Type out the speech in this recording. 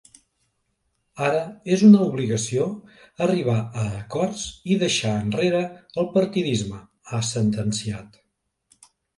Ara és una obligació arribar a acords i deixar enrere el partidisme, ha sentenciat.